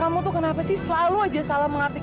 nara kamu tuh kenapa sih selalu aja salah mengerti kamu